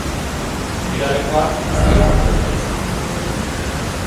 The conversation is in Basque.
Ostiralekoa azken kontzertua izango da.